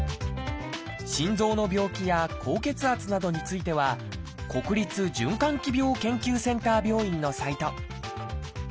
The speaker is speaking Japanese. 心臓の病気や高血圧などについては国立循環器病研究センター病院のサイト。